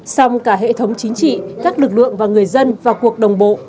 song cả hệ thống chính trị các lực lượng và người dân vào cuộc đồng bộ